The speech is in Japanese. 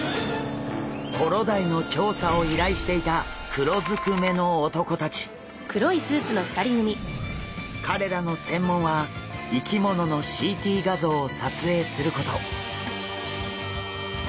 コロダイの調査を依頼していた彼らの専門は生き物のＣＴ画像を撮影すること。